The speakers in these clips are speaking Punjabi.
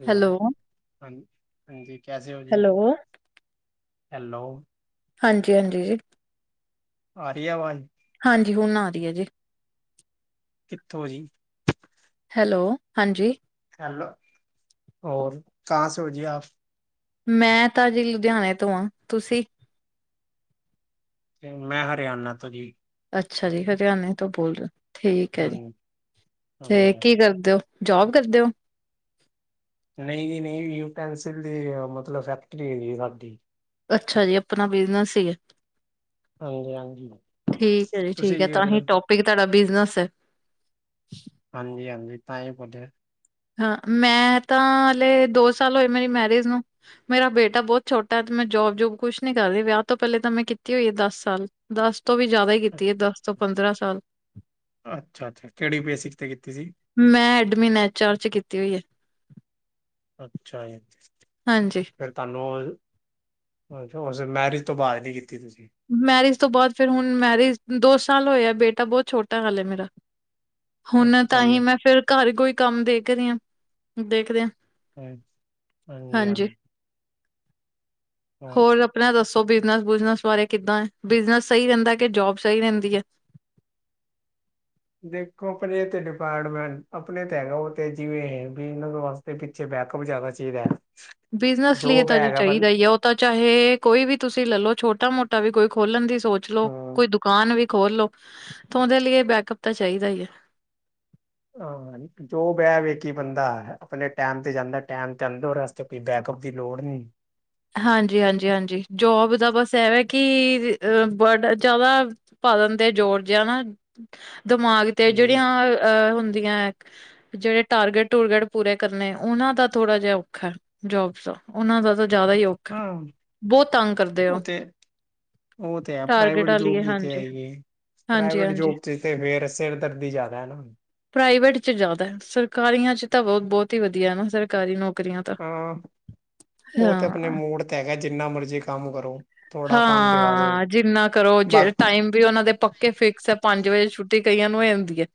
ਹੈਲੋ ਹਾਂ ਹਾਂਜੀ ਕੈਸੇ ਹੋ ਜੀ ਹੈਲੋ ਹੈਲੋ ਹਾਂਜੀ ਹਾਂਜੀ ਆ ਰਹੀ ਆ ਵਾਜ ਹਾਂਜੀ ਹੁਨ ਆ ਰਹੀ ਏ ਜੀ ਕਿੱਥੋਂ ਜੀ ਹੈਲੋ ਹਾਂਜੀ ਹੈਲੋ ਹੋਰ ਕਹਾ ਸੇ ਹੋ ਜੀ ਆਪ ਮੈਂ ਤਾਂ ਜੀ ਲੁਧਿਆਣੇ ਤੋਂ ਹਾਂ ਤੁਸੀਂ ਮੈਂ ਹਰਿਆਣਾ ਤੋਂ ਜੀ ਅੱਛਾ ਜੀ ਹਰਿਆਣੇ ਤੋਂ ਬੋਲ ਰ ਹੋ ਠੀਕ ਹੈ ਜੀ ਹਾਂਜੀ ਤੇ ਹਾਂਜੀ ਕੀ ਕਰਦੇ ਹੋ ਜੋਬ ਕਰਦੇ ਹੋ ਨਹੀਂ ਨਹੀਂ ਨਹੀਂ ਯੂਟੈਂਸਿਲ ਦੀ ਮਤਲਬ ਫੈਕਟਰੀ ਹੈਗੀ ਸਾਡੀ ਅੱਛਾ ਜੀ ਆਪਣਾ ਬਿਜਨਸ ਹੀ ਹੈ ਹਾਂਜੀ ਹਾਂਜੀ ਠੀਕ ਹੈ ਜੀ ਤੁਸੀਂ ਠੀਕ ਹੈ ਕੀ ਕਰ ਰਹੇ ਤਾਂਹੀ ਹੋ ਟੋਪਿਕ ਤੁਹਾਡਾ ਬਿਜਨਸ ਹੈ ਹਾਂਜੀ ਹਾਂਜੀ ਤਾਂ ਹੀ [unintelligible] ਹਾਂ ਮੈਂ ਤਾਂ ਹਲੇ ਦੋ ਸਾਲ ਹੋਏ ਮੇਰੀ ਮੈਰਿਜ ਨੂੰ ਮੇਰਾ ਬੇਟਾ ਬਹੁਤ ਛੋਟਾ ਤੇ ਮੈਂ ਜੋਬ ਜੋਬ ਕੁਛ ਨੀ ਕਰਦੀ ਵਿਆਹ ਤੋਂ ਪਹਿਲੇ ਤਾਂ ਮੈਂ ਕੀਤੀ ਹੋਈ ਹੈ ਦਸ ਸਾਲ ਦਸ ਤੋਂ ਵੀ ਜ਼ਿਆਦਾ ਹੀ ਕੀਤੀ ਹੈ ਦਸ ਤੋਂ ਪੰਦਰਾਂ ਸਾਲ ਅੱਛਾ ਅੱਛਾ ਕਿਹੜੀ ਬੇਸਿਕ ਤੇ ਕੀਤੀ ਸੀ ਮੈਂ ਐਡਮੀਨ ਐਚ ਚਾਰ ਚ ਕੀਤੀ ਹੋਈ ਹੈ ਅੱਛਾ ਹਾਂਜੀ ਫਿਰ ਤੁਹਾਨੂੰ ਉਹ ਅੱਛਾ ਉਸ ਮੈਰਿਜ ਤੋਂ ਬਾਅਦ ਨਹੀਂ ਕੀਤੀ ਤੁਸੀਂ ਮੈਰਿਜ ਤੋਂ ਬਾਅਦ ਫਿਰ ਹੁਣ ਮੈਰਿਜ ਦੋ ਸਾਲ ਹੋਇਆ ਬੇਟਾ ਬਹੁਤ ਛੋਟਾ ਹਲੇ ਮੇਰਾ ਹੁਣ ਤਾਂ ਅੱਛਾ ਜੀ ਹੀ ਮੈਂ ਅੱਛਾ ਫਿਰ ਘਰ ਕੋਈ ਕੰਮ ਦੇਖ ਰਹੀ ਹਾਂ। ਦੇਖਦੇ ਹਾ ਹ ਹਾਂਜੀ, ਹਾਂਜੀ ਹੋਰ ਆਪਣਾ ਦੱਸੋ ਬਿਜਨਸ ਬੁਜਨਸ ਬਾਰੇ ਕਿੱਦਾਂ ਹੈ ਬਿਜਨਸ ਸਹੀ ਰਹਿੰਦਾ ਕਿ ਜੋਬ ਸਹੀ ਰਹਿੰਦੀ ਹੈ। ਦੇਖੋ ਆਪਣੇ ਤੇ ਡਿਪਾਰਟਮੈਂਟ ਆਪਣੇ ਤੇ ਹੈਗਾ ਉਹ ਤੇ ਜਿਵੇਂ [unintelligible] ਤੇ ਪਿੱਛੇ ਬੈਕਅੱਪ ਜ਼ਿਆਦਾ ਚਾਹੀਦਾ ਹੈ। ਬਿਜਨਸ ਲਈ ਜੋਬ ਤਾਂ ਜੀ ਹੈਗਾ ਬੰ ਚਾਹੀਦਾ ਹੀ ਆ ਉਹ ਤਾਂ ਚਾਹੇ ਕੋਈ ਵੀ ਤੁਸੀਂ ਲੈਲੋ ਛੋਟਾ ਮੋਟਾ ਵੀ ਕੋਈ ਖੋਲਣ ਦੀ ਸੋਚ ਲੋ ਹਮ ਕੋਈੁ ਦੁ ਦੁਕਾਨ ਵੀ ਖੋਲਲੋ ਤਾਂ ਉਹਦੇ ਲਈ ਇਹ ਬੈਕਅੱਪ ਤਾਂ ਚਾਹੀਦਾ ਹੀ ਹੈ ਹਾਂ ਜੋ ਬਹਿ ਵਖ ਬੰਦਾ ਆਪਣੇ ਟੈਮ ਤੇ ਜਾਂਦਾ ਟੈਮ ਤੇ ਆਉਂ ਰਸ [unintelligible] ਬੈਕਅੱਪ ਦੀ ਲੋੜ ਨਹੀਂ ਹਾਂਜੀ, ਹਾਂਜੀ, ਹਾਂਜੀ ਜੋਬ ਦਾ ਬਸ ਇਹ ਹੈ ਕਿ [unintelligible] ਬੜਾ ਜ਼ਿਆਦਾ ਪਾਲਨ ਤੇ ਜੋੜ ਜਿਹਾ ਨਾ ਦਿਮਾਗ ਤੇ ਹਾਂਜੀ ਜਿਹੜੀਆਂ ਅਹ ਹੁੰਦੀਆਂ ਜਿਹੜੇ ਟਾਰਗੇਟ ਟੂਰਗੇਟ ਪੂਰੇ ਕਰਨੇ ਉਹਨਾਂ ਦਾ ਥੋੜ੍ਹਾ ਜਿਹਾ ਔਖਾ ਹੈ। ਜੋਬਸ ਦਾ, ਉਹਨਾ ਦਾ ਤਾਂ ਜ਼ਿਆਦਾ ਹੀ ਔ ਹਾਂ ਤੰਗ ਕਰਦੇ ਉਹ ਹੋ। ਤੇ ਉਹ ਤੇ ਹੈ ਪ੍ਰਾਈਵੇਟ ਵਾਲੀ ਜੋਬ ਏ ਜਿੱਥੇ ਹਾਂਜੀ, ਹੈਗੀ ਏ ਹਾਂਜੀ, ਪ੍ਰਾਈਵੇਟ ਹਾਂਜੀ ਜੋਬ ਚ ਤੇ ਫੇਰ ਸਿਰ ਦਰਦੀ ਜ਼ਿਆਦਾ ਹੈ ਨਾਅ ਪ੍ਰਾਈਵੇਟ ਚ ਜ਼ਿਆਦਾ ਸਰਕਾਰੀਆਂ ਚ ਤਾਂ ਬਹੁਤ ਬਹੁਤ ਹੀ ਵਧੀਆ ਨਾ ਸਰਕਾਰੀ ਨੌਕਰੀਆਂ ਹਾਂ ਉਹ ਤੇ ਆਪਣੇ ਹਾਂ, ਮੂਡ ਤੇ ਹੈਗਾ ਜਿੰਨਾ ਮਰਜ਼ੀ ਕੰਮ ਕਰੋ ਥੋੜ੍ਹਾ ਕੰਮ ਦਿਖਾ ਦੋ ਹਾਂ ਜਿੰਨਾ ਕਰੋ ਜੇ ਬਾਕੀ ਟਾਈਮ ਵੀ ਉਹਨਾ ਦੇ ਪੱਕੇ ਫਿਕਸ ਹੈ। ਪੰਜ ਵਜੇ ਛੁੱਟੀ ਕਈਆਂ ਨੂੰ ਹੋ ਜਾਂਦੀ ਹੈ।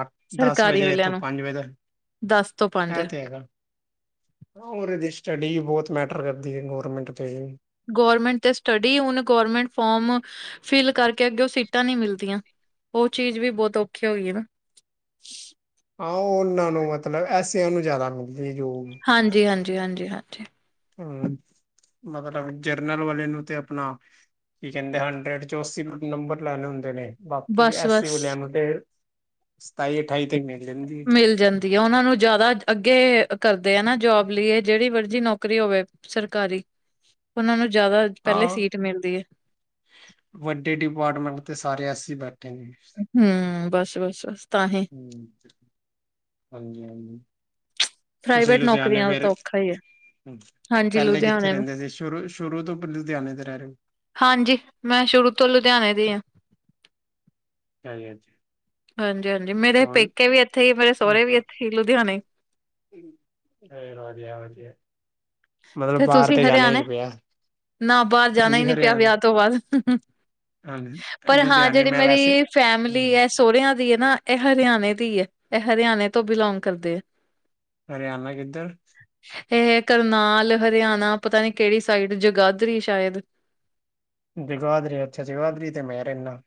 ਅ ਦਸ ਸਰਕਾਰੀ ਵਜੇ ਵਾਲਿਆਂ ਤੋਂ ਨੂੰ ਪੰਜ ਵਜੇ ਤੱਕ ਦਸ ਤੋਂ ਪੰਜ ਇਹ ਤੇ ਹੈਗਾ ਹੋਰ ਇਹਦੀ ਸਟੱਡੀ ਵੀ ਬਹੁਤ ਮੈਟਰ ਕਰਦੀ ਹੈ। ਗੌਰਮੈਂਟ ਤੇ ਗਵਰਮੈਂਟ ਤੇ ਸਟੱਡੀ ਹੁਣ ਗਮੈਂਟ ਫੋਮ ਫਿਲ ਕਰਕੇ ਅੱਗੇ ਉਹ ਸੀਟਾਂ ਨਹੀ ਮਿਲਦੀਆਂ ਉਹ ਚੀਜ਼ ਵੀ ਬਹੁਤ ਔਖੇ ਹੋ ਗਈ ਨਾ ਆਹ ਉਹਨਾਂ ਨੂੰ ਮਤਲਬ ਐਸਿਆਂ ਨੂੰ ਜ਼ਿਆਦਾ ਮਿਲਦੀ ਜੋ ਹਾਂਜੀ, ਹਾਂਜੀ, ਹਾਂਜੀ, ਹਾਂਜੀ ਹੁੰ, ਮਤਲਬ ਜਰਨਲ ਵਾਲੇ ਨੂੰ ਤੇ ਆਪਣਾ ਕੀ ਕਹਿੰਦੇ, ਹੰਡਰਡ ਚੋ ਅੱਸੀ ਨੰਬਰ ਲੈਣੇ ਹੁੰਦੇ ਨੇ ਬਾਕੀ ਬਸ ਐਸ ਸੀ ਬਸ ਵਾਲਿਆਂ ਨੂੰ ਤੇ ਸਤਾਈ ਅਠਾਈ ਤੇ ਮਿਲ ਜਾਂਦੀ ਹੈ। ਮਿਲ ਜਾਂਦੀ ਆ ਉਹਨਾਂ ਨੂੰ ਜ਼ਿਆਦਾ ਅੱਗੇ ਕਰਦੇ ਆ ਨਾ ਜੋਬ ਲਈ ਏ ਜਿਹੜੀ ਮਰਜ਼ੀ ਨੌਕਰੀ ਹੋਵੇ। ਸਰਕਾਰੀ, ਉਹਨਾਂ ਨੂੰ ਜ਼ਿਆਦਾ ਪਹਿਲੇ ਹਾਂ ਸੀਟ ਮਿਲਦੀ ਏ। ਵੱਡੇ ਡਿਪਾਰਟਮੈਂਟ ਤੇ ਸਾਰੇ ਐਸ ਸੀ ਬੈਠੇ ਨੇ। ਹਮ ਬਸ ਬਸ ਬਸ ਤਾਂ ਹੀ ਹੂੰ ਹਾਂਜੀ, ਹਾਂਜੀ ਤੁਸੀਂ ਪ੍ਰਾਈਵੇਟ ਲੁਧਿਆਣੇ ਨੌਕਰੀਆਂ ਦਾ ਫਿਰ? ਤਾਂ ਔਖਾ ਹੀ ਹੈ ਹਾਂਜੀ ਪਹਿਲੇ ਕਿੱਥੇ ਲੁਧਿਆਣੇ ਮੈਂ, ਰਹਿੰਦੇ ਸੀ? ਸ਼ੁਰੂ ਸ਼ੁਰੂ ਤੋਂ ਲੁਧਿਆਣੇ ਤੋਂ ਰਹਿ ਰਹੇ ਹੋ? ਹਾਂਜੀ, ਮੈਂ ਸ਼ੁਰੂ ਤੋਂ ਲੁਧਿਆਣੇ ਦੀ ਹਾਂ। ਚਾਹੇ ਅੱਜ। ਹਾਂਜੀ, ਹਾਂਜੀ ਮੇਰੇ ਪੇਕੇ ਵੀ ਇੱਥੇ ਹੀ ਮੇਰੇ ਸਹੁਰੇ ਵੀ, ਇੱਥੇ ਹੀ ਲੁਧਿਆਣੇ। ਹੂੰ ਹਨੇਰਾ ਜਿਹਾ ਆ ਗਿਆ। ਮਤਲਬ, ਬਾਹਰ ਤੁਸੀਂ ਤੇ ਜਾਣਾ ਹੀ ਹਰਿਆਣੇ ਨਹੀਂ ਪਿਆ। ਨਾ ਬਾਹਰ ਜਾਣਾ ਹੀ ਹਾਂਜੀ ਨੀ ਪਿਆ, ਵਿਆਹ ਹਰਿਆਣਾ ਤੋਂ ਬਾਅਦ ਹੂੰ ਹੂੰ। ਪਰ ਹਾਂ! ਲੁਧਿਆਣੇ ਜਿਹੜੀ ਮੈਂ ਵੈਸੇ ਮੇਰੀ ਫੈਮਿਲੀ ਹਮ ਏ। ਸੁਹਰਿਆਂ ਦੀ ਏ ਨਾ, ਇਹ ਹਰਿਆਣੇ ਦੀ ਹੈ। ਇਹ ਹਰਿਆਣੇ ਤੋਂ ਬਿਲੋਂਗ ਕਰਦੇ ਆ। ਹਰਿਆਣਾ ਕਿੱਧਰ? ਇਹ ਕਰਨਾਲ, ਹਰਿਆਣਾ ਪਤਾ ਨੀ ਕਿਹੜੀ ਸਾਈਡ ਜਗਾਦਰੀ ਸ਼ਾਇਦ। ਜਗਾਦਰੀ ਅੱਛਾ! ਜਗਾਦਰੀ ਤੇ ਮੈਂ ਰਹਿੰਨਾ।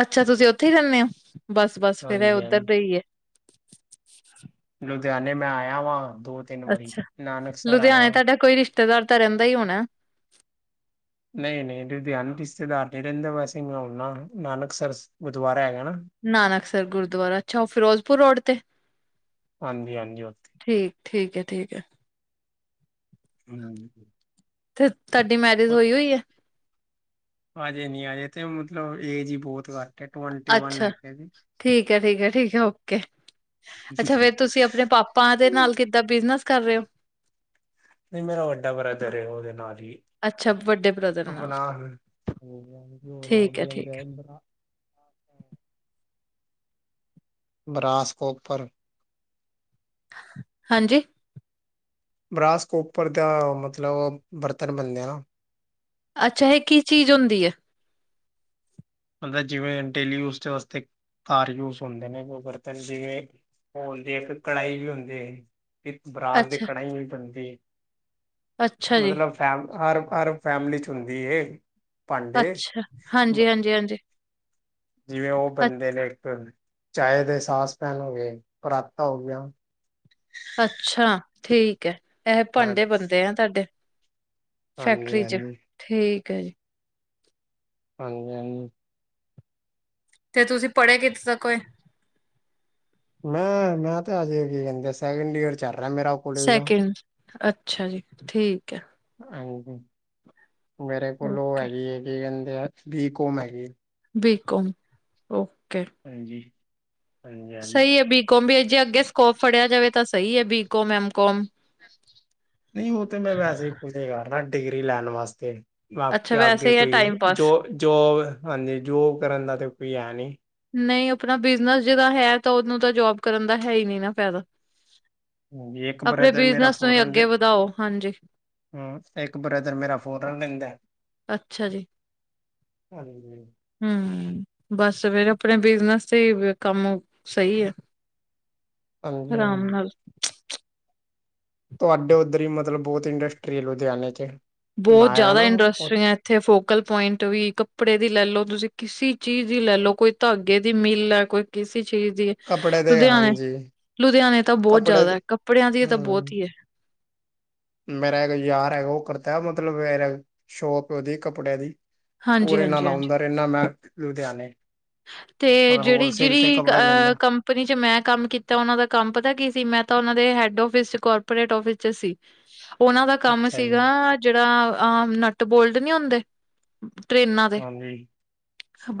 ਅੱਛਾ! ਤੁਸੀਂ ਉੱਥੇ ਹੀ ਰਹਨੇ ਹੋ, ਬਸ- ਬਸ ਫੇਰ ਐਹ ਹਾਂਜੀ ਉੱਧਰ ਹਾਂਜੀ ਦੇ ਹੀ ਐ। ਲੁਧਿਆਣੇ ਮੈਂ ਆਇਆ ਵਾ ਦੋ। ਤਿੰਨ ਵਾਰੀ ਅੱਛਾ! ਨਾਨਕਸਰ ਲੁਧਿਆਣੇ ਆਇਆ ਤੁਹਾਡਾ ਕੋਈ ਰਿਸ਼ਤੇਦਾਰ ਤਾਂ ਰਹਿੰਦਾ ਹੀ ਹੋਣਾ? ਨਹੀਂ, ਨਹੀ ਲੁਧਿਆਣਾ ਰਿਸ਼ਤੇਦਾਰ ਨੀ ਰਹਿੰਦੇ, ਵੈਸੇ ਮੈ ਆਉਨਾ ਨਾਨਕ ਸਰ ਗੁਰਦੁਆਰਾ ਹੈਗਾ ਨਾ। ਨਾਨਕਸਰ ਗੁਰਦੁਆਰਾ, ਅੱਛਾ! ਉਹ ਫਿਰੋਜ਼ਪੁਰ ਰੋਡ ਤੇ? ਹਾਂਜੀ! ਹਾਂਜੀ! ਉੱਥੇ। ਠੀਕ! ਠੀਕ ਏ। ਠੀਕ ਏ। ਹੂੰ! ਤੇ ਤੁਹਾਡੀ ਮੈਰਿਜ ਹੋਈ ਹੋਈ ਐ। ਹਜੇ ਨੀ ਆਜੇ ਤੇ ਮਤਲਬ ਏਜ ਹੀ ਬਹੁਤ ਘੱਟ। ਹੈ ਟਵੰਟੀ ਵਨ ਅੱਛਾ! ਹੈਗੇ ਜੀ ਠੀਕ ਹੈ, ਠੀਕ ਹੈ, ਠੀਕ ਹੈ ਓਕੇ। ਅੱਛਾ ਫਿਰ ਤੁਸੀਂ ਆਪਣੇ ਪਾਪਾ ਦੇ ਨਾਲ ਨਹੀਂ ਕਿੱਦਾਂ ਬਿਜਨਸ ਕਰ ਰਹੇ ਹੋ? ਨਹੀ ਮੇਰਾ ਵੱਡਾ ਬਰਦਰ ਏ ਉਹਦੇ ਨਾਲ ਈ। ਅੱਛਾ ਵੱਡੇ ਬ੍ਰਦਰ ਨਾਲ ਠੀਕ ਹੈ, ਠੀਕ ਹੈ, [unintelligible] ਬਰਾਸਕੋ ਉੱਪਰ। ਹ ਹਾਂਜੀ? ਬਰਾਸਕੋਪਰ ਦਾ ਅ ਮਤਲਬ ਓ ਬਰਤਨ ਬਣਦੇ ਆਨਾ। ਅੱਛਾ! ਇਹ ਕੀ ਚੀਜ਼ ਹੁੰਦੀ ਏ? ਮਤਲਬ, ਜਿਵੇਂ ਡੇਲੀ ਯੂਜਡ ਵਾਸਤੇ ਘਰ ਯੂਜ ਹੁੰਦੇ ਨੇ ਉਹ ਬਰਤਨ ਸਿਗੇ। ਉਹ ਹੁੰਦੀ ਹੈ। ਇੱਕ ਕੜਾਹੀ ਵੀ ਹੁੰਦੇ ਏ, ਤੇ ਇੱਕ ਪਰਾਤ ਅੱਛਾ, ਕੜਾਹੀਆ ਵੀ ਬਣਦੀ ਏ। ਅੱਛਾ ਜੀ, ਮਤਲਬ ਫੈਮ ਅਰਬ - ਅਰਬ ਫੈਮਲੀ ਚ ਹੁੰਦੀ ਏ। ਭਾਂਡੇ? ਜੀ ਹਾਂ ਜੀ। ਜਿਵੇਂ ਉਹ ਬਣਦੇ ਨੇ, ਇੱਕ ਚਾਹ ਦੇ ਸਾਸ ਪੈਨ ਹੋ ਗਏ ਪਰਾਤਾ ਹੋਗੀਆਂ। ਅੱਛਾ! ਠੀਕ ਏ। ਐਹੇ ਭਾਂਡੇ ਹਾਂਜੀ ਬਣਦੇ ਹੈ, ਤੁਹਾਡੇ। ਹਾਂਜੀ ਫੈਕਟਰੀ ਚ, ਹਾਂਜੀ ਠੀਕ ਹੈ ਜੀ। ਹਾਂਜੀ! ਹਾਂਜੀ! ਤੇ ਤੁਸੀਂ ਪੜ੍ਹੇ ਕਿੱਥੇੋ ਤੱਕ ਹੋਏ? ਮੈਂ! ਮੈਂ ਤੇ ਅਜੇ ਕੀ ਕਹਿੰਦੇ ਆ ਸੈਕਿੰਡ ਈਅਰ ਚੱਲ ਰਿਹਾ ਮੇਰਾ। ਕਾਲਜ ਦਾ ਸੈਕਿੰਡ, ਅੱਛਾ ਜੀ! ਠੀਕ ਏ। ਹਾਂਜੀ! ਮੇਰੇ ਕੋਲ ਉਹ ਓਕੇ ਹੈਗੀ ਏ ਗੀ ਕਹਿੰਦੇ ਆ ਬਿਕੋਮ ਹੈਗੀ। ਬਿਕਾਮ! ਔਹ ਹਾਂਜੀ! ਹਾਂਜੀ ਹਾਂਜੀ ਸਹੀ ਹੈ। ਬੀਕੌਮ ਵੀ ਜੇ ਅੱਗੇ ਸਕੋਪ ਫੜਿਆ ਜਾਵੇ ਤਾਂ, ਸਹੀ ਹੈ ਬੀਕੋਮ, ਐਮਕੌਮ ਹਾਂਜੀ! ਨਹੀਂ ਉਹ ਤੇ ਮੈਂ ਵੈਸੇ ਹੀ ਕੁਝ ਨੀ ਕਰਨਾ ਡਿਗਰੀ ਲੈਣ ਵਾਸਤੇ। ਆਪ ਅੱਛਾ ਕੇ ਵੈਸੇ ਆਗੇ ਹੀ ਹੈ ਕੋਈ ਟਾਈਮ ਜੋ ਪਾਸ ਜੋਂ ਜੋਬ ਹਾਂਜੀ! ਜੋਬ ਕਰਨ ਦਾ ਤਾਂ ਕੋਈ ਹੈ ਨੀ ਨਹੀਂ ਆਪਣਾ ਬਿਜਨਸ ਜੀਦਾ ਹੈ, ਤਾਂ ਉਹਨੂੰ ਤਾਂ ਜੋਬ ਕਰਨ ਦਾ ਹੈ ਹੀ ਨੀ ਨਾ ਫਾਇਦਾ। ਹਾਂਜੀ ਇੱਕ ਆਪਣੇ ਬ੍ਰਦਰ ਮੇਰਾ ਬਿਜਨਸ ਨੂੰ ਹੀ ਅੱਗੇ ਵਧਾਓ। ਹਾਂਜੀ! ਹੂੰ! ਇੱਕ ਬ੍ਰਦਰ ਮੇਰਾ ਫੋਧਰਨ ਰਹਿੰਦਾ ਹੈ। ਅੱਛਾ ਜੀ! ਹਾਂਜੀ ਹੂੰ! ਬਸ ਫਿਰ ਆਪਣੇ ਬਿਜਨਸ ਤੇ ਬ ਹ ਕੰਮ ਸਹੀ ਆ। ਹਾਂਜੀ! ਹਾਂਜੀ! ਤੁਹਾਡੇ ਉੱਧਰ ਹੀ ਮਤਲਬ ਬਹੁਤ ਇੰਡਸਟਰੀ ਹੈ। ਲੁਧਿਆਣੇ ਚ, ਮੈਂ ਬਹੁਤ ਆਇਆ ਜ਼ਿਆਦਾ ਨਾ ਉਹ ਇੰਡਸਟਰੀਆਂ ਏ। ਇੱਥੇ ਫੋਕਲ ਪੁਆਇੰਟ ਵੀ ਕੱਪੜੇ ਦੀ ਲੈ ਲੋ, ਤੁਸੀਂ ਕਿਸੇ ਚੀਜ਼ ਦੀ ਲੈ ਲੋ, ਕੋਈ ਧਾਗੇ ਦੀ ਮਿੱਲ ਆ ਕੋਈ, ਕਿਸੇ ਚੀਜ਼ ਦੀ ਏ। ਕੱਪੜੇ ਦੇ ਲੁਧਿਆਣੇ, ਹਾਂਜੀ ਲੁਧਿਆਣੇ ਤਾਂ ਬੋਤ ਜ਼ਆਦਾ ਹੈ ਕੱਪੜਿਆਂ ਦੀ ਤਾਂ ਬੌਤ ਈ ਐ। ਮੇਰਾ ਏਕ ਯਾਰ ਹੈਗਾ ਓਹ ਕਰਤਾ ਐ ਮਤਲਬ ਏਰ ਸ਼ੋਪ ਓਹਦੀ ਕੱਪੜੇ ਦੀ। ਹਾਂਜੀ ਓਰੇ ਹਾਂਜੀ ਨਾਲ ਹਾਂਜੀ ਅਉਂਦਾ ਰਹਿੰਨਾ ਮੈਂ ਲੁਧਿਆਣੇ। ਤੇ ਮਤਲਬ ਜੇਹੜੀ ਹੋਲਸੇਲ ਤੇ ਜਿਹੜੀ ਕੱਪੜਾ ਅ ਲੈਂਦਾ ਕੰਮ ਕੰਨੀ ਚ ਮੈਂ ਕੰਮ ਕੀਤਾ ਓਨਾਂ ਦਾ ਕੰਮ ਪਤਾ ਕੀ ਸੀ ਮੈਂ ਤਾਂ ਓਨਾਂ ਦੇ ਹੈਡ ਔਫਿਸ ਚ ਕਾਰਪੋਰੇਟ ਔਫਿਸ ਚ ਸੀ। ਓਨਾਂ ਦਾ ਕੰਮ ਅੱਛਾ ਜੀ ਸੀਗਾ ਜਿਹੜਾ ਆ ਨਟ ਬੋਲਡ ਨੀ ਹੁੰਦੇ। ਟਰੇਨਾਂ ਦੇ ਹਾਂਜੀ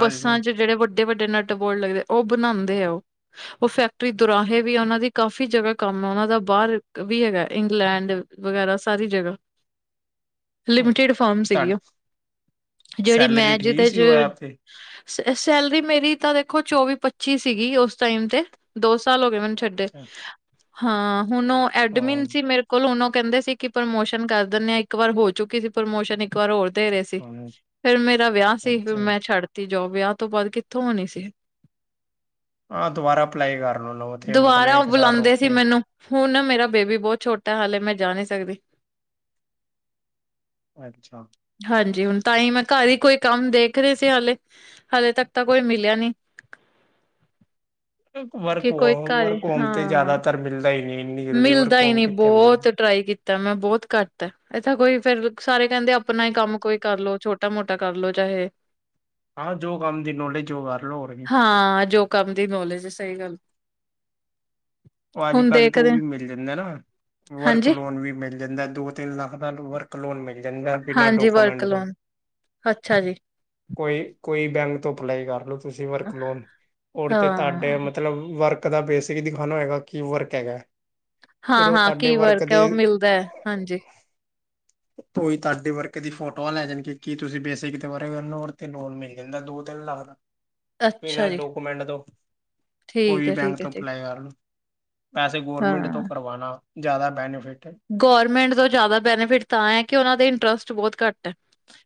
ਹਾਂਜੀ ਚ। ਜੇਹੜੇ ਵੱਡੇ ਵੱਡੇ ਨਟ ਬੋਲਡ ਲਗਦੇ ਔ ਬਣਾਉਂਦੇ ਆ ਓਹ। ਓ ਫੈਕਟਰੀ ਦੁਰਾਹੇ ਵੀ ਔਨਾਂ ਦੀ ਕਾਫੀ ਜਗ੍ਹਾ ਕੰਮ ਓਹਨਾਂ ਦਾ ਬਾਹਰ ਵੀ ਹੈਗਾ ਇੰਗਲੈਂਡ। ਵਗੈਰਾ ਸਾਰੀ ਜਗ੍ਹਾ। ਅੱਛਾ ਲਿਮਟਿਡ ਫਰਮ ਸੀਗੀ ਤੁਹਾਡੀ ਓ। ਜਿਹੜੀ ਸੈਲਰੀ ਮੈਂ ਠੀਕ ਜਿਹਦੇ ਚ ਸੀ ਉਹ ਐਪ ਤੇ ਸੈ ਸੈਲਰੀ ਮੇਰੀ ਤਾਂ ਦੇਖੋ ਚੌਵੀ ਪੱਚੀ ਸੀਗੀ ਓਸ ਟਾਈਮ ਤੇ। ਦੋ ਸਾਲ ਹੋ ਗਏ ਮੈਨੂੰ ਛੱਡੇ, ਅੱਛਾ ਹਾਂ! ਹੁਣ ਉਹ ਐਡਮਿਨ ਹਾਂ ਸੀ ਮੇਰੇ, ਕੁਲ ਉਹਨੂੰ ਕਹਿੰਦੇ ਸੀ ਕਿ ਪ੍ਰਮੋਸ਼ਨ ਕਰ ਦਿੰਨੇ ਆ ਇੱਕ ਵਾਰ ਹੋ ਚੁੱਕੀ ਸੀ ਪ੍ਰਮੋਸ਼ਨ ਇ ਕ ਵਾਰ ਹੋਰ ਦੇ ਰਹੇ ਸੀ। ਹਾਂ ਫਿਰ ਮੇਰਾ ਵਿਆਹ ਸੀ ਫਿਰ ਅੱਛਾ ਜੀ। ਮੈਂ ਛੱਡ ਤ ਜੋਬ ਵਿਆਹ ਤੋਂ ਬਾਅਦ ਕਿੱਥੋਂ ਹੋਣੀ ਸੀ। ਆਂ ਦੁਬਾਰਾ ਅਪਲਾਈ ਕਰਲ ਲਓ ਤੇ ਮਤਲਬ ਦੁਬਾਰਾ ਉਹ ਇੱਕ ਸਾਲ ਬੁਲਾਉਂਦੇ ਰੋਕ ਸੀ ਕੇ, ਮੈਨੂੰ ਹੁਣ ਮੇਰਾ ਬੇਬੀ ਬਹੁਤ ਛੋਟਾ ਐ ਹਾਲੇ ਮੈਂ ਜਾ ਨੀ ਸਕਦੀ। ਅੱਛਾ ਹਾਂਜੀ ਹੁਣ ਤਾਂਹੀ ਮੈਂ ਘਰ ਹੀ ਕੋਈ ਕੰਮ ਦੇਖ ਰਹੇ ਸੀ ਹਾਲੇ। ਹਾਲੇ ਤੱਕ ਤਾਂ ਕੋਈ ਮਿਲਿਆ ਨਈ। ਵਰਕ ਕਿ ਕੋਈ ਵੋਮ ਘਰ ਏ। ਵਰਕ ਹੌਮ ਤੇ ਹਾਂ ਜਿਆਦਾਤਰ ਮਿਲਦਾ ਈ ਮਿਲਦਾ ਹੀ ਨਈ ਬੌਤ ਟਰਾਈ ਕੀਤ ਤਾਂ ਮੈਂ ਬੋਤ ਘੱਟ ਹੈ ਇੱਥੇ ਕੋਈ ਫੇਰ ਸਾਰੇ ਕਹਿੰਦੇ ਆਪਣਾ ਹੀ ਕੰਮ ਕੋਈ ਕਰਲੋ ਛੋਟਾ ਮੋਟਾ ਕਰਲੋ ਚਾਹੇ। ਹਾਂ ਜੋ ਕੰਮ ਦੀ ਨੋਲੇਜ ਔ ਕਰ ਲੋ ਹੋਰ ਕੀ। ਹਾਂ ਜੋ। ਕੰਮ ਦੀ ਨੌਲੇਜ ਸਹੀ ਗੱਲ। ਔ ਅੱਜ ਹੁਣ ਕੱਲ੍ਹ ਤੋਂ ਔ ਦੇਖਦੇ ਹਾਂ। ਮਿਲ ਜਾਂਦੈ ਨਾ, ਵਰਕ ਹਾਂਜੀ ਲੋਨ ਵੀ ਮਿਲ ਜਾਂਦਾ ਐ। ਦੋ ਤਿੰਨ ਲੱਖ ਦਾ ਵਰਕ ਲੋਨ ਮਿਲ ਜਾਂਦਾ ਐ। ਹਾਂਜੀ ਵਰਕ ਲੋਨ ਅੱਛਾ ਜੀ। ਕੋਈ ਕੋਈ ਬੈਂਕ ਤੋਂ ਅਪਲਾਈ ਕਰ ਲਓ ਤੁਸੀ ਵਰਕ ਲੋਨ ਔਰ ਤੇ ਤੁਹਾਡੇ ਹਾਂ ਮਤਲਬ ਵਰਕ ਦਾ ਬੇਸਿਕ ਦਿਖਾਉਣਾ ਹੈਗਾ ਕੀ ਵਰਕ ਹੈਗਾ ਐ। ਹਾਂ ਹਾਂ ਕੀ ਵਰਕ ਹੈ ਓਹ ਮਿਲਦਾ ਹੈ ਹਾਂਜੀ। ਕੋਈ ਤੁਹਾਡੇ ਵਰਕ ਦੀ ਫੋਟੋਆਂ ਲੈ ਜਾਣਗੇ ਕੀ ਤੁਸੀ ਬੇਸਿਕ ਦੋਬਾਰਾ ਕਰ ਲਓ ਤੇ ਲੋਨ ਮਿਲ ਜਾਂਦਾ ਦੋ ਤਿਨ ਲੱਖ ਦਾ। ਅੱਛਾ ਬਿਨਾਂ ਜੀ ਡੋਕੂਮੈਂਟ ਤੋਂ ਕੋਈ ਠੀਕ ਵੀ ਹੈ ਬੈਂਕ ਠੀਕ ਹੈ ਤੋਂ ਠੀਕ ਅਪਲਾਈ ਅਰਨ ਪੈਸੇ ਹੈ। ਗੌਰਮੈਂਟ ਤੋਂ ਕਰਵਾਣਾ ਜ਼ਆਦਾ ਬੈਨੀਫਿਟ ਏ। ਗੋਰਮੈਂਟ ਤੋਂ ਜ਼ਆਦਾ ਬੈਨੀਫਿਟ ਤਾਂ ਐ ਕਿ ਔਨਾ ਦੇ ਇੰਟਰਸਟ ਬੋਤ ਘੱਟ ਐ।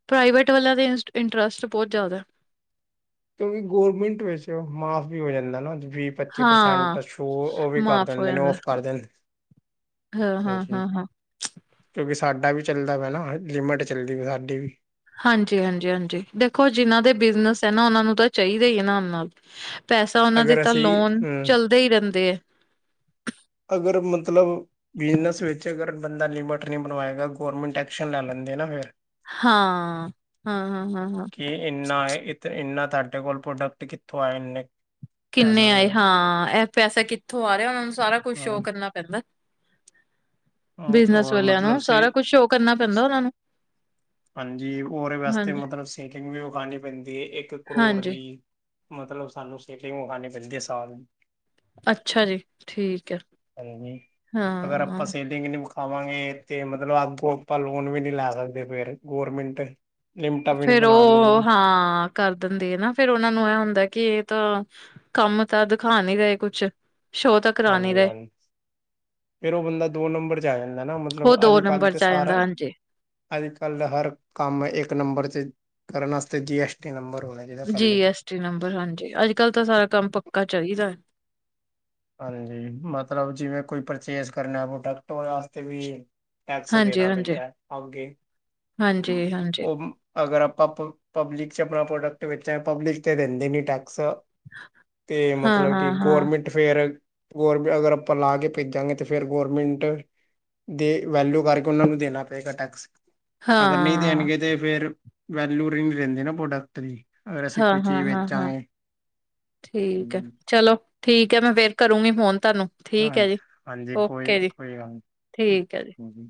ਪ੍ਰਾਈਵੇਟ ਵਾਲਿਆਂ ਦੇ ਇੰਸ ਇੰਟਰਸਟ ਬੋਤ ਜਿਆਦਾ ਐ। ਕਿਉਂਕਿ ਗੌਰਮਿੰਟ ਵਿੱਚ ਮਾਫ ਵੀ ਹੋ ਜਾਂਦੈ ਨਾ ਵੀ ਪੱਚੀ ਪਰਸੈਂਟ ਹਾਂ ਤਾਂ ਸ਼ੋ ਔ ਵੀ ਕਰ ਮਾਫ਼ ਹੋ ਦਿੰਦੇ ਨੇ ਜਾਂਦਾ ਔਫ ਕਰ ਦੇਂਦ ਹਾਂ, ਹਾਂ, ਹਾਂ, ਹਾਂ। ਕਿਉਂਕਿ ਸਾਡਾ ਵੀ ਚੱਲਦਾ ਪਿਐ ਨਾ ਹੁਨ ਲਿਮਿਟ ਚੱਲਦੀ ਪੀ ਐ ਸਾਡੀ ਵੀ। ਹਾਂਜੀ, ਹਾਂਜੀ, ਹਾਂਜੀ ਦੇਖੋ ਜਿਨਾਂ ਦੇ ਬਿਜਨਸ ਐ ਨਾ ਔਨਾਂ ਨੂੰ ਤਾਂ ਚਾਹੀਦਾ ਈ ਏ ਨਾਲ-ਨਾਲ। ਪੈਸਾ ਔਨਾ ਦੇ ਅਗਰ ਤਾਂ ਅਸੀਂ ਲੋਨ ਹਮ ਚੱਲਦੇ ਈ ਰੈਂਦੇ ਐ। ਅਗਰ ਮਤਲਬ ਬਿਜਨਸ ਵਿੱਚ ਅਗਰ ਬੰਦਾ ਲਿਮਿਟ ਨਈ ਬਣਵਾਏਗਾ ਗੋਰਮੈਂਟ ਐਕਸ਼ਨ ਲੈ ਲੈਂਦੇ ਨਾ ਫੇਰ। ਹਾਂ, ਹਾਂ-ਹਾਂ-ਹਾਂ-ਹਾਂ। ਕਿ ਇੰਨਾ ਏ ਇੱਥੇ ਇੰਨਾ ਤਾਡੇ ਕੋਲ ਪ੍ਰੋਡਕਟ ਕਿੱਥੋਂ ਆਏ ਏਨੇ। ਕਿੰਨੇ ਆਏ ਹਾਂ ਐ ਪੈਸੇ ਕਿੱਥੋਂ ਆ ਰੇ ਆ ਔਨਾਂ ਨੂੰ ਸਾਰਾ ਕੁੱਛ ਸ਼ੋ ਹਾਂ ਕਰਨਾ ਪੈਂਦੈ। ਬਿਜਨਸ ਔਰ ਵਾਲਿਆਂ ਮਤਲਬ ਨੂੰ ਸ ਸਾਰਾ ਕੁਛ ਸ਼ੋ ਕਰਨਾ ਪੈਂਦੈ ਔਨਾ ਨੂੰ। ਹਾਂਜੀ ਔਰੇ ਵਾਸਤੇ ਹਾਂਜੀ, ਮਤਲਬ ਸੇਕਿੰਗ ਵੀ ਵਖਾਣੀ ਪੈਂਦੀ ਏ, ਇੱਕ ਕਰੋੜ ਹਾਂਜੀ ਦੀ ਮਤਲਬ ਸਾਨੂੰ ਸੇਕਿੰਗ ਵਖਾਣੀ ਪੈਂਦੀ ਏ ਸਾਲ ਦੀ। ਅੱਛਾ ਜੀ, ਠੀਕ ਐ। ਹਾਂ। ਲੇਕਿਨ ਏ ਵਿਖਾਵਾਂਗੇ ਤੇ ਮਤਲਬ ਅਗੂ ਆਪਾਂ ਲੋਨ ਵੀ ਨੀ ਲੈ ਸਕਦੇ ਫਿਰ ਗੌਰਮਿੰਟ ਫੇਰ ਔ, ਹਾਂ ਕਰ ਦਿੰਦੇ ਏ ਨਾ ਫੇਰ ਔਨਾਂ ਨੂੰ ਏ ਹੁੰਦੈ ਕਿ ਏ ਤਾਂ ਕੰਮ ਤਾਂ ਦਖਾ ਨੀ ਰਏ ਕੁਛ ਸ਼ੋਅ ਤਾਂ ਕਰਾ ਨੀ ਰਹੇ ਹਾਂਜੀ-ਹਾਂਜ ਫਿਰ ਉਹ ਬੰਦਾ ਦੋ ਨੰਬਰ 'ਚ ਆ ਜਾਂਦੈ ਨਾ ਮਤਲਬ ਉਹ ਅੱਜ ਦੋ ਕੱਲ ਨੰਬਰ ਤੇ ਚ ਆ ਜਾਂਦਾ ਸਾਰਾ ਹਾਂਜੀ। ਅੱਜ ਕੱਲ੍ਹ ਦਾ ਹਰ ਕੰਮ ਇੱਕ ਨੰਬਰ 'ਚ ਕਰਨ ਆਸਤੇ ਜੀ ਐਸ ਟੀ ਨੰਬਰ ਹੋਣਾ ਚਾਈਦੈ ਪੈਲੇ ਐਸ ਜੀ ਨੰਬਰ ਹਾਂਜੀ, ਅੱਜ ਕਲ ਤਾਂ ਸਾਰਾ ਕੰਮ ਪੱਕਾ ਚਾਹੀਦੈ। ਹਾਂਜੀ ਮਤਲਬ ਜਿਵੇਂ ਕੋਈ ਪਰਚੇਸ ਕਰਨੈ ਪ੍ਰੋਡਕਟ ਔਰੇ ਆਸਤੇ ਵੀ ਟੈਕਸ ਹਾਂਜੀ, ਦੇਣਾ ਹਾਂਜੀ, ਪੈਂਦੈ ਅਗੇ ਹਾਂਜੀ, ਹਾਂਜੀ ਔ ਅਗਰ ਆਪਾਂ ਪ ਪਬਲਿਕ 'ਚ ਆਪਣਾ ਪ੍ਰੋਡਕਟ ਵੇਚਾਂ, ਪਬਲਿਕ ਤੇ ਦੇਂਦੀ ਨੀ ਟੈਕਸ। ਤੇ ਹਾਂ, ਮਤਲਬ ਕਿ ਹਾਂ, ਹਾਂ। ਗੌਰਮਿੰਟ ਤੇ ਫੇਰ ਗੌਰਮ ਅਗਰ ਆਪਾਂ ਲਾ ਕੇ ਭੇਜਾਂਗੇ ਤੇ ਫੇਰ ਗੌਰਮੇਂਟ ਦੇ ਵੈਲਯੁ ਕਰਕੇ ਔਨਾਂ ਨੂੰ ਦੇਣਾ ਪਏਗਾ ਟੈਕਸ। ਅਗਰ ਨਈ ਹਾਂ, ਦੇਣਗੇ ਤੇ ਫੇਰ ਵੈਲਯੁ ਰਿੰਗ ਰਹਿੰਦੇ ਨਾ ਪ੍ਰੋਡਕਟ ਦੀ। ਅਗਰ ਅਸੀ ਹਾਂ, ਕੋਈ ਚੀਜ਼ ਹਾਂ, ਹਾਂ, ਹਾਂ ਵੇਚਾਂਗੇ, ਠੀਕ ਹੈ ਹੂੰ ਚਲੋ, ਠੀਕ ਐ ਮੈਂ ਫੇਰ ਕਰੂੰਗੀ ਫੋਨ ਤਾਨੂੰ। ਠੀਕ ਐ ਹਾਂਜੀ ਜੀ। ਹਾਂਜੀ ਔਕੇ ਕੋਈ ਜੀ। ਕੋਈ ਗੱਲ ਨੀ ਠੀਕ ਐ ਜੀ। ਹਾਂਜੀ